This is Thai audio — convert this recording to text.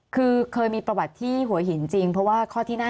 คือเคยมีประวัติที่หัวหินจริงเพราะว่าข้อที่น่า